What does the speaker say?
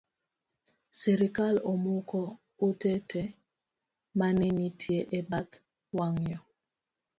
Sirikal omuko ute tee mane nitie e bath wang’ayo